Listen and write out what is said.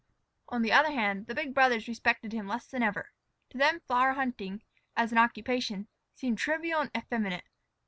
On the other hand, the big brothers respected him less than ever. To them flower hunting, as an occupation, seemed trivial and effeminate.